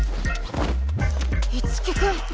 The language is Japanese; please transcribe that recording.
樹君。